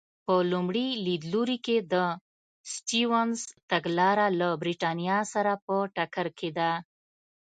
په لومړي لیدلوري کې د سټیونز تګلاره له برېټانیا سره په ټکر کې ده.